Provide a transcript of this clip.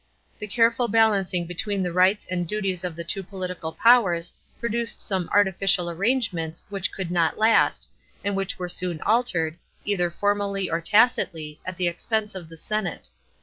The careful balancing between the rights and duties of the two political powers produced some artificial arrangements which could not last, and which were soon altered, either formally or tacitly, at the expense of the senate.